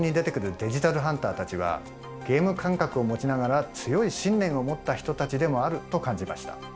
デジタルハンターたちはゲーム感覚を持ちながら強い信念を持った人たちでもあると感じました。